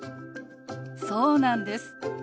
そうなんです。